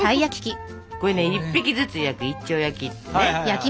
これね１匹ずつ焼く「一丁焼き」ってね。